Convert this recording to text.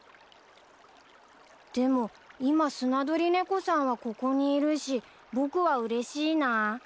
でも今スナドリネコさんはここにいるし僕はうれしいな。